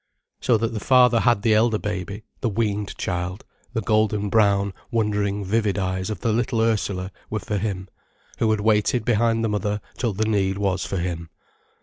So that the father had the elder baby, the weaned child, the golden brown, wondering vivid eyes of the little Ursula were for him, who had waited behind the mother till the need was for him.